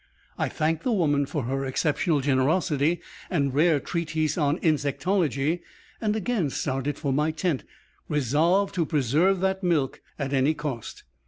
I thanked the woman for her exceptional generosity and rare treatise on "insectology" and again started for my tent, resolved to preserve that milk at any cost.